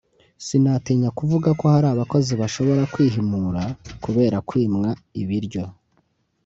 sinatinya kuvuga ko hari abakozi bashobora kwihimura kubera kwimwa ibiryo